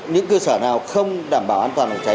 những cơ sở nào không đảm bảo an toàn phòng cháy